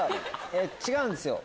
違うんすよ。